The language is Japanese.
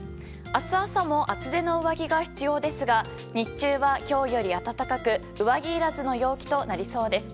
明日朝も厚手の上着が必要ですが日中は今日より暖かく上着いらずの陽気となりそうです。